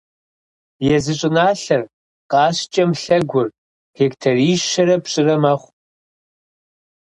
Езы щӏыналъэр, «Къаскӏэм лъэгур», гектарищэрэ пщӏырэ мэхъу.